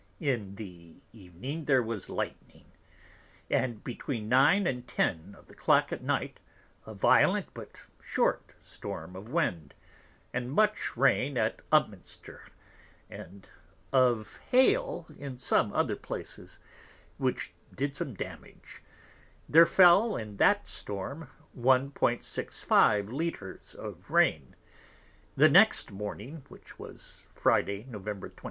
In the Evening there was Lightning; and between 9 and 10 of the Clock at Night, a violent, but short Storm of Wind, and much Rain at Upminster; and of Hail in some other Places, which did some Damage: There fell in that Storm 1,65 l. of Rain. The next Morning, which was Friday, Novem. 26.